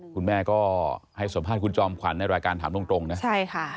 คุณแม่ก็ให้สัมภาษณ์คุณจอมขวัญในรายการถามตรงนะใช่ค่ะ